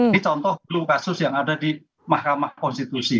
ini contoh belum kasus yang ada di mahkamah konstitusi